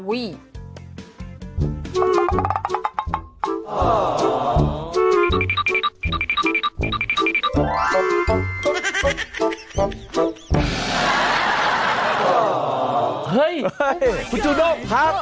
เฮ่ยคุณจุดกรมครับ